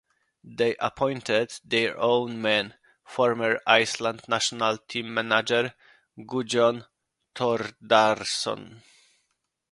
They appointed their own man, former Iceland national team manager Gudjon Thordarson.